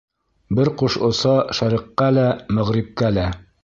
Бер ҡош оса шәреҡҡә лә, мәғрибкә лә.